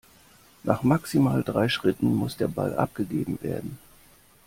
Nach maximal drei Schritten muss der Ball abgegeben werden.